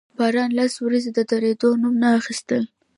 باران لس ورځې د درېدو نوم نه اخيستل.